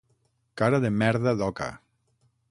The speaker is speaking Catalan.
Cara de merda d'oca.